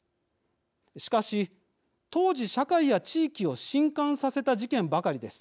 しかし当時、社会や地域をしんかんさせた事件ばかりです。